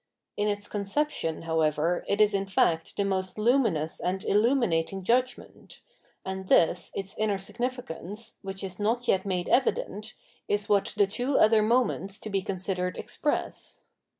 In its conception, however, it is in fact the most luminous and illuminating judgment ; and this, its inner significance, which is not yet made evident, is what the two other moments to be considered express.